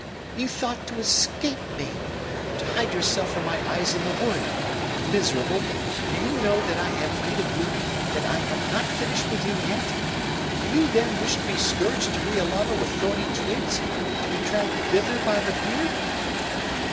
"You thought to escape me! To hide yourself from my eyes in the wood! Miserable! Do you not know that I have need of you that I have not finished with you yet? Do you, then, wish to be scourged to Riolama with thorny twigs to be dragged thither by the beard?"